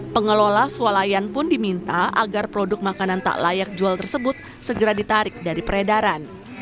pengelola sualayan pun diminta agar produk makanan tak layak jual tersebut segera ditarik dari peredaran